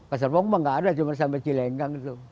ke serpong emang gak ada cuma sampai cilenggang itu